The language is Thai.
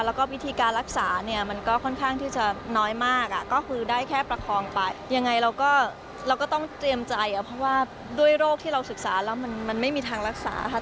แล้วก็วิธีการรักษาเนี่ยมันก็ค่อนข้างที่จะน้อยมากก็คือได้แค่ประคองไปยังไงเราก็เราก็ต้องเตรียมใจเพราะว่าด้วยโรคที่เราศึกษาแล้วมันไม่มีทางรักษาค่ะ